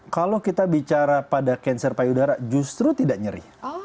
kalau kita bicara pada cancer payudara justru tidak nyeri